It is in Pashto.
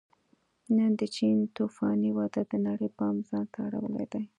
نن د چین توفاني وده د نړۍ پام ځان ته اړولی دی